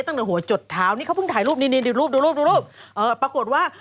นอกจากสิ่งที่พีคสุด